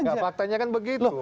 enggak faktanya kan begitu